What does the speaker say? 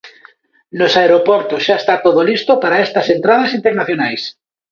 Nos aeroportos xa está todo listo para estas entradas internacionais.